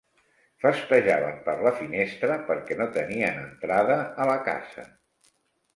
Festejaven per la finestra perquè no tenia entrada a la casa.